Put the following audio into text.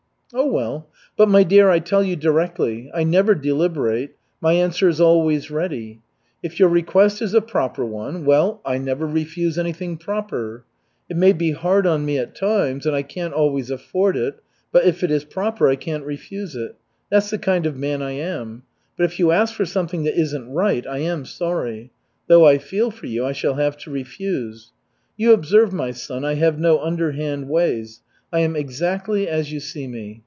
"Oh, well. But, my dear, I tell you directly, I never deliberate, my answer is always ready. If your request is a proper one, well, I never refuse anything proper. It may be hard on me at times, and I can't always afford it, but if it is proper, I can't refuse it. That's the kind of man I am. But if you ask for something that isn't right, I am sorry. Though I feel for you, I shall have to refuse. You observe, my son, I have no underhand ways. I am exactly as you see me.